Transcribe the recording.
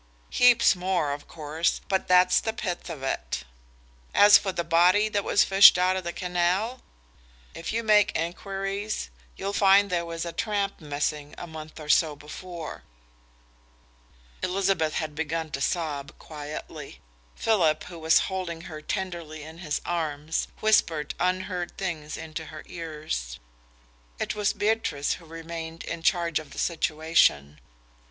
Heaps more, of course, but that's the pith of it. As for the body that was fished out of the canal, if you make enquiries, you'll find there was a tramp missing, a month or so before." Elizabeth had begun to sob quietly. Philip, who was holding her tenderly in his arms, whispered unheard things into her ears. It was Beatrice who remained in charge of the situation.